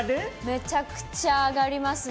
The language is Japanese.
めちゃくちゃ上がりますね。